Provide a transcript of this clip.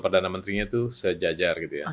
perdana menterinya itu sejajar